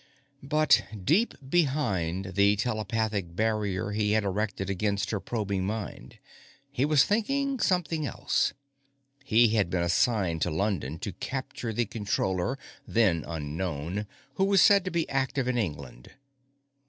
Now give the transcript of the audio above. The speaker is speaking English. _ But deep behind the telepathic barrier he had erected against her probing mind, he was thinking something else. He had been assigned to London to capture the Controller then unknown who was said to be active in England.